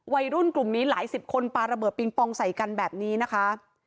วัยรุ่นกลุ่มนี้หลายสิบคนปลาระเบิดปิงปองใส่กันแบบนี้นะคะ